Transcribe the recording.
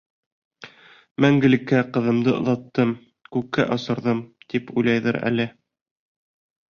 Мәңгелеккә ҡыҙымды оҙаттым, күккә осорҙом, тип уйлайҙыр әле.